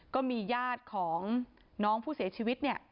ก็มีญาติของน้องผู้เสียชีวิตเนี่ย